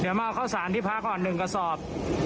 เดี๋ยวมาเข้าสารที่พระกรณ์๑กระโศบ